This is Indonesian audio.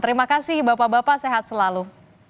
terima kasih bapak bapak sehat selalu